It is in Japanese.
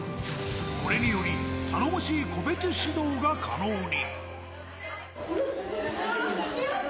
これにより、頼もしい個別指導が可能に。